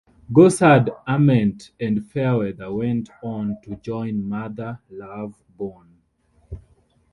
Gossard, Ament, and Fairweather went on to join Mother Love Bone.